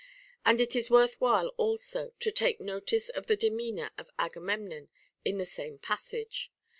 And it is worth while also to take notice of the demeanor of Aga memnon in the same passage.